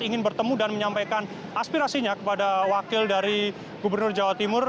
ingin bertemu dan menyampaikan aspirasinya kepada wakil dari gubernur jawa timur